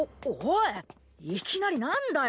いきなり何だよ。